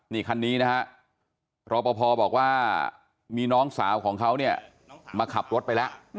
นี่คันนี้นะฮะรอปภบอกว่ามีน้องสาวของเขาเนี่ยมาขับรถไปแล้ว